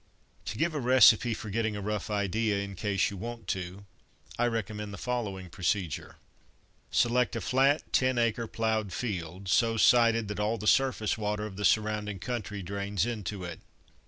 To give a recipe for getting a rough idea, in case you want to, I recommend the following procedure. Select a flat ten acre ploughed field, so sited that all the surface water of the surrounding country drains into it.